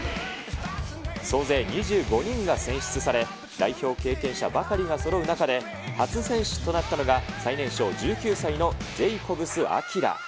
総勢２５人が選出され、代表経験者ばかりがそろう中で、初選出となったのが、最年少１９歳のジェイコブス晶。